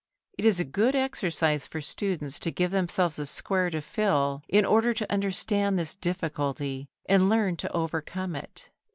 It is a good exercise for students to give themselves a square to fill, in order to understand this difficulty and learn to overcome it.